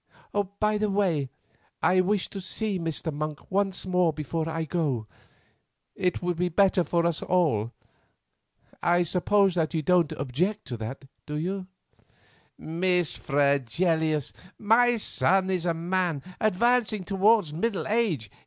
By the way, I wish to see Mr. Monk once more before I go; it would be better for us all. I suppose that you don't object to that, do you?" "Miss Fregelius, my son is a man advancing towards middle age.